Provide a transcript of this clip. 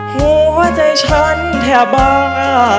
หัวใจฉันแทบบ้า